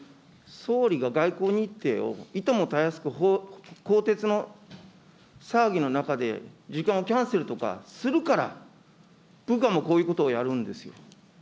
総理が外交日程をいともたやすく更迭の騒ぎの中で時間をキャンセルとかするから、部下もこういうことをやるんですよ。